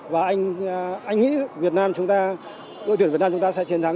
và anh nghĩ đội tuyển việt nam chúng ta sẽ chiến thắng